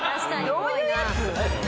どういうやつ？